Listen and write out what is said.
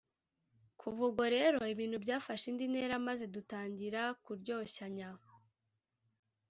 Kuva ubwo rero ibintu byafashe indi ntera maze dutangira kuryoshyanya